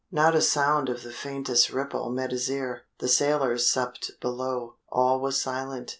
Not a sound of the faintest ripple met his ear. The sailors supped below. All was silence.